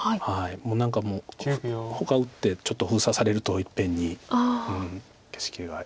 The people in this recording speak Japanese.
何かもうほか打ってちょっと封鎖されるといっぺんに景色が。